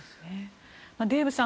デーブさん